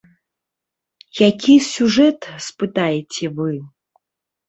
Які сюжэт, спытаеце вы?